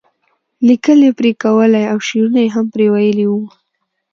لیکل یې پرې کولی او شعرونه یې هم پرې ویلي وو.